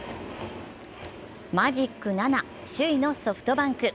マジック７、首位のソフトバンク。